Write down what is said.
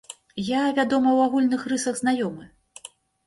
Я, вядома, у агульных рысах знаёмы.